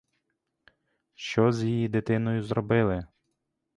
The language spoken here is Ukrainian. Що з її дитиною зробили?